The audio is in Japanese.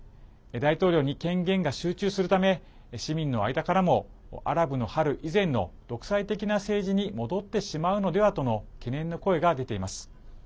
大統領に権限が集中するため市民の間からもアラブの春以前の独裁的な政治に戻ってしまうのではとの懸念の声が出ています。